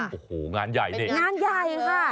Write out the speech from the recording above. โอ้โหงานใหญ่นี่งานใหญ่ค่ะ